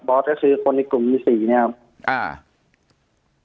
บอสก็คือคนในกลุ่มที่๔นะครับ